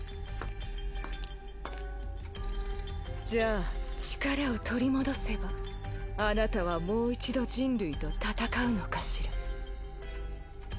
じゃあ力を取り戻せばあなたはもう一度人類と戦うのかしら。